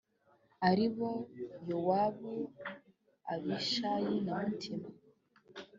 ari bo yowabu abishayi na mutima